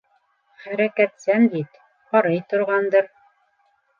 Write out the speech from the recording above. Хәрәкәтсән бит, арый торғандыр...